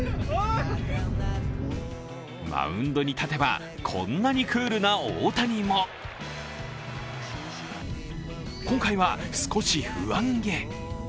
マウンドに立てばこんなクールな大谷も今回は少し不安げ。